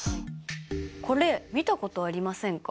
これ見たことありませんか？